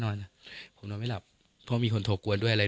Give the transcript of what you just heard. นอนผมนอนไม่หลับเพราะมีคนโทรกวนด้วยอะไร